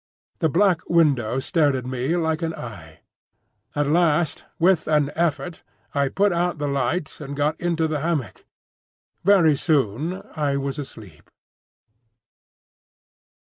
The black window stared at me like an eye. At last with an effort I put out the light and got into the hammock. Very soon I was asleep.